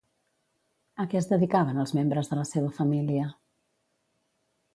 A què es dedicaven els membres de la seva família?